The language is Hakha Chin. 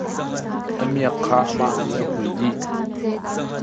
A miak kha amah nih a hui dih ko.